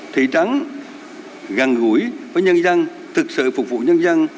thị trắng gần gũi với nhân dân thực sự phục vụ nhân dân